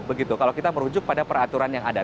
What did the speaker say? begitu kalau kita merujuk pada peraturan yang ada